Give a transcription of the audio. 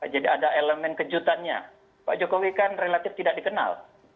jadi ada elemen kejutannya pak jokowi kan relatif tidak dikenal